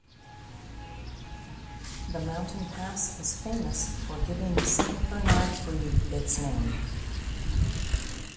This mountain pass is famous for giving the Saint Bernard breed its name.